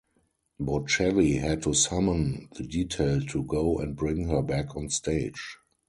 Bocelli had to summon the detail to go and bring her back on stage.